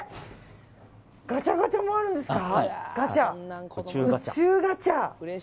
ガチャガチャもあるんですか。